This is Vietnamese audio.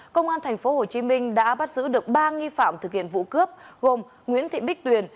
công an tp hồ chí minh đã bắt giữ được ba nghi phạm thực hiện vụ cướp gồm nguyễn thị bích tuyền